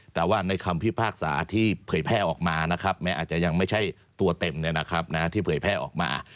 แต่ว่าในคำพิพากษาที่เผยแพร่ออกมานะครับแม้อาจจะยังไม่ใช่ตัวเต็มที่เผยแพร่ออกมา